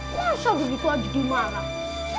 masa begitu aja dimarah